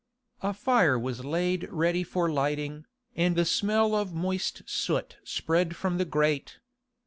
A fire was laid ready for lighting, and the smell of moist soot spread from the grate.